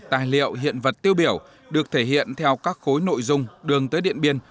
tài liệu hiện vật tiêu biểu được thể hiện theo các khối nội dung đường tới điện biên